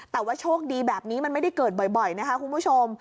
แต่ว่าโชคดีแบบนี้มันไม่ได้เกิดบ่อยนะคะคุณผู้ชม